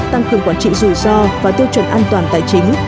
tăng cường quản trị rủi ro và tiêu chuẩn an toàn tài chính